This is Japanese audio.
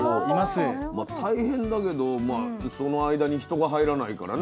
大変だけどまあその間に人が入らないからね